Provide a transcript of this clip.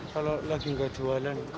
kalau lagi nggak jualan